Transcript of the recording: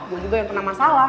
gue juga yang kena masalah